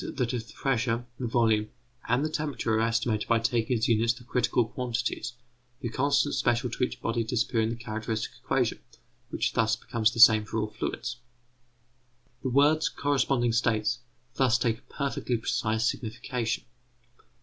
that if the pressure, the volume, and the temperature are estimated by taking as units the critical quantities, the constants special to each body disappear in the characteristic equation, which thus becomes the same for all fluids. The words corresponding states thus take a perfectly precise signification.